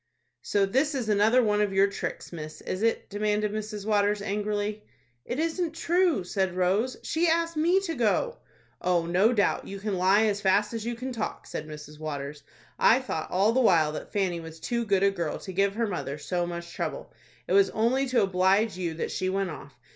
"So this is another one of your tricks, miss, is it?" demanded Mrs. Waters, angrily. "It isn't true," said Rose. "She asked me to go." "Oh, no doubt; you can lie as fast as you can talk," said Mrs. Waters. "I thought all the while that Fanny was too good a girl to give her mother so much trouble. It was only to oblige you that she went off.